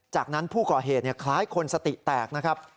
จากนั้นผู้ก่อเหตุคล้ายคนสติแตกนะครับ